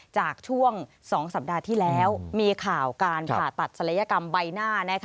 จากช่วง๒สัปดาห์ที่แล้วมีข่าวการผ่าตัดศัลยกรรมใบหน้า